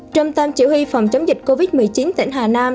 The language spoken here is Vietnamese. trâm tam chỉ huy phòng chống dịch covid một mươi chín tỉnh hà nam